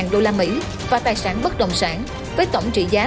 một trăm bốn mươi năm đô la mỹ và tài sản bất đồng sản với tổng trị giá